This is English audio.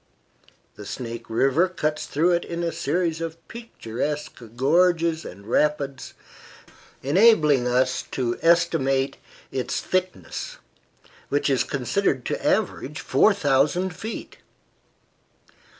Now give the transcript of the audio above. The Snake River cuts through it in a series of picturesque gorges and rapids, enabling us to estimate its thickness, which is considered to average 4000 feet.